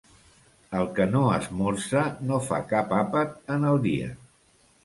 El que no esmorza no fa cap àpat en el dia.